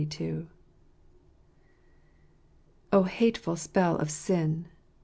Oil hateful spell of sin !